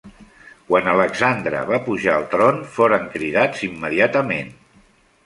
Quan Alexandre va pujar al tron foren cridats immediatament.